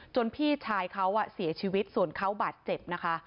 พี่ชายเขาเสียชีวิตส่วนเขาบาดเจ็บนะคะ